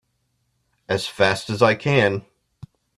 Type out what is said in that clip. As fast as I can!